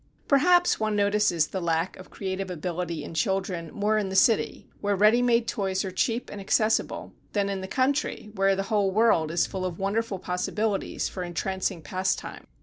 Perhaps one notices the lack of creative ability in children more in the city where ready made toys are cheap and accessible, than in the country where the whole world is full of wonderful possibilities for entrancing pastime.